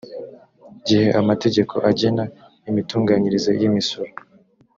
gihe amategeko agena imitunganyirize y imisoro